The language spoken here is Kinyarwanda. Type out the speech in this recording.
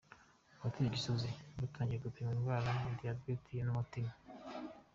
Abatuye Gisozi batangiye gupimwa indwara ya diyabete n’umutima